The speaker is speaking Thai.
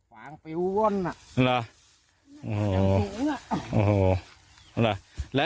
ฟางไปร่วนอ่ะ